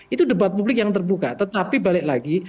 itu debat publik yang terbuka tetapi balik lagi